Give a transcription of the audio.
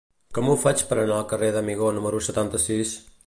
Com ho faig per anar al carrer d'Amigó número setanta-sis?